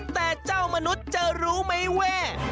แต่เจ้ามนุษย์จะรู้ไหมว่า